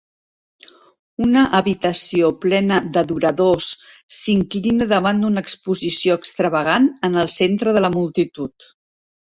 Una habitació plena d'adoradors s'inclina davant d'una exposició extravagant en el centre de la multitud.